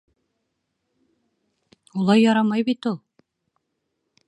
Улай ярамай бит ул.